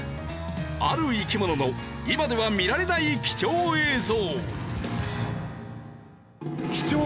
ある生き物の今では見られない貴重映像。